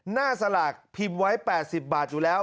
สลากพิมพ์ไว้๘๐บาทอยู่แล้ว